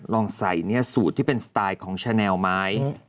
ลองใส่สูตรที่เป็นสไตล์ของชาแนลไม้